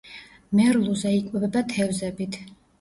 მერლუზა იკვებება თევზებით.